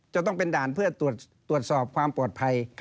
จะต้องเป็นด่านเพื่อตรวจสอบความปลอดภัย